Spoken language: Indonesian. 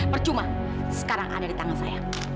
percuma sekarang ada di tangan saya